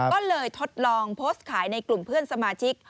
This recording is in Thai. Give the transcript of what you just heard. ก็เลยทดลองโพสต์ขายในกลุ่มเพื่อนสมาชิก